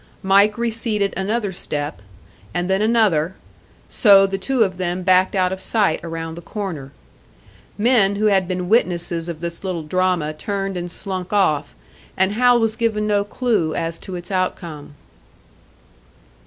Mike receded another step, and then another so the two of them backed out of sight around the corner. Men who had been witnesses of this little drama turned and slunk off, and Hal was given no clue as to its outcome.